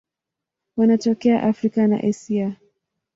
Wanatokea Afrika na Asia.